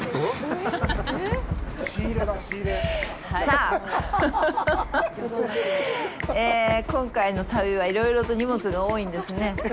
さあ、え、今回の旅はいろいろと荷物が多いんですね。